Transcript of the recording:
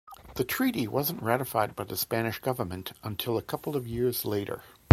The treaty wasn't ratified by the Spanish government until a couple of years later.